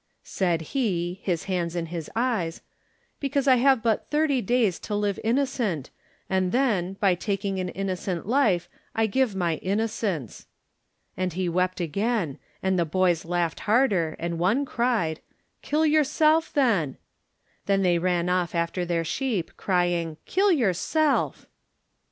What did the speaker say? Said he, his hands in his eyes, ^* Because I have but thirty days to live innocent, and then, by taking an innocent life I give my innocence." And he wept again, and the boys laughed together, and one cried: 17 Digitized by Google THE NINTH MAN "Kill yourself, then!" Then they ran off after their sheep, crying, "Kill yourself!"